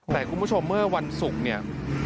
แต่คุณผู้ชมเมื่อวันศุกร์เนี่ย